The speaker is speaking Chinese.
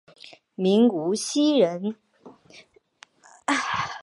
明无锡人。